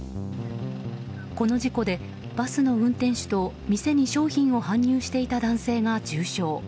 この事故でバスの運転手と店に商品を搬入していた男性が重傷。